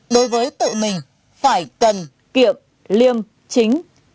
đối với tự mình phải cần kiệm liêm chính